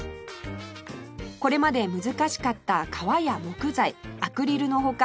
これまで難しかった革や木材アクリルの他